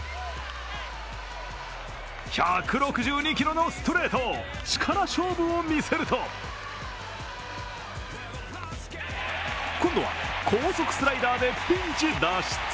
１６２キロのストレート、力勝負を見せると今度は、高速スライダーでピンチ脱出。